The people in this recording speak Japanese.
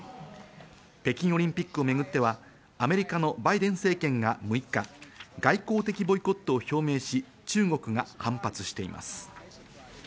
北京オリンピックをめぐっては、アメリカのバイデン政権が６日、外交的ボイコットを表明し、中国が反発しています。